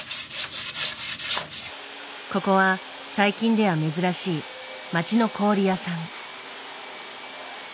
ここは最近では珍しい町の氷屋さん。